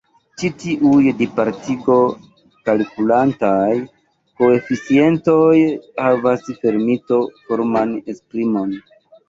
Ĉi tiuj dispartigo-kalkulantaj koeficientoj havas fermito-forman esprimon.